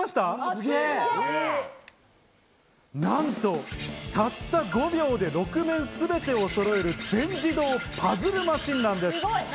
なんと、たった５秒で６面全てをそろえる全自動パズルマシンなんです。